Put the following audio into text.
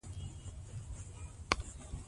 ښوونه د ټولنې راتلونکی روښانه کوي